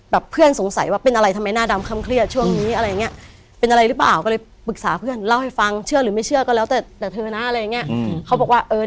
เมื่ออะไรจะเป็นร่างทรงให้จะเป็นมั้ย